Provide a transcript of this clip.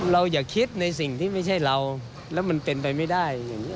อย่าคิดในสิ่งที่ไม่ใช่เราแล้วมันเป็นไปไม่ได้อย่างนี้